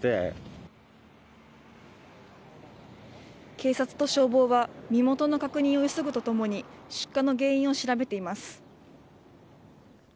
警察と消防は身元の確認を急ぐとともに出火の原因を調べています。